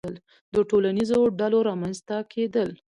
• د ټولنیزو ډلو رامنځته کېدل.